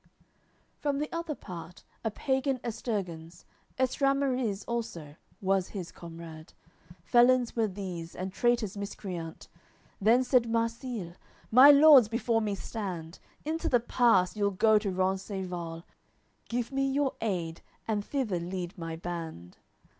AOI. LXXVI From the other part, a pagan Esturganz; Estramariz also, was his comrade; Felons were these, and traitors miscreant. Then said Marsile: "My Lords, before me stand! Into the pass ye'll go to Rencesvals, Give me your aid, and thither lead my band."